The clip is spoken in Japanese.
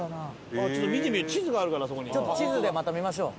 ちょっと地図でまた見ましょう。